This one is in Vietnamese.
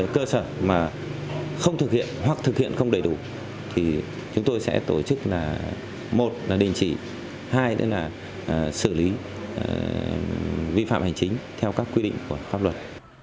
chúng tôi sẽ tổ chức là một là đình chỉ hai đó là xử lý vi phạm hành chính theo các quy định của pháp luật